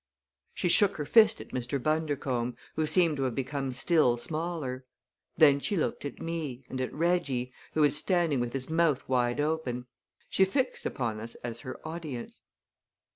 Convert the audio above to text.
She shook her fist at Mr. Bundercombe, who seemed to have become still smaller. Then she looked at me, and at Reggie, who was standing with his mouth wide open. She fixed upon us as her audience.